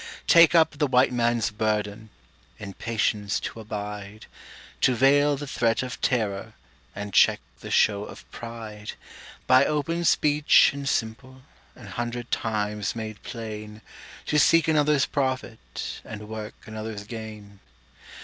Take up the White Man's burden In patience to abide, To veil the threat of terror And check the show of pride; By open speech and simple, An hundred times made plain, To seek another's profit, And work another's gain.